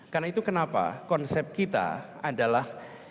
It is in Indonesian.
karena itu kenapa konsep kita adalah